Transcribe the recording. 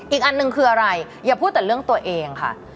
อีกอันหนึ่งคืออะไรอย่าพูดแต่เรื่องตัวเองค่ะ